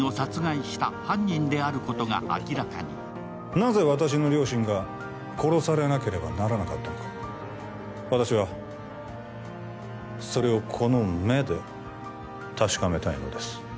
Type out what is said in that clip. なぜ私の両親が殺されなければならなかったのか、私は、それをこの目で確かめたいのです。